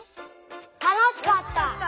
たのしかった！